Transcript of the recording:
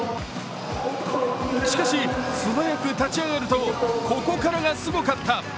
しかし、素早く立ち上がるとここからがすごかった。